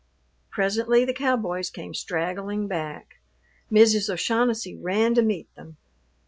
Presently the cowboys came straggling back. Mrs. O'Shaughnessy ran to meet them.